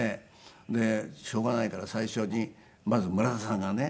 でしょうがないから最初にまず村田さんがね